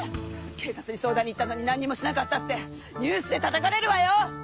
警察に相談に行ったのに何にもしなかったってニュースでたたかれるわよ！